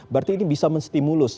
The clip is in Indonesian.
berarti ini bisa menstimulus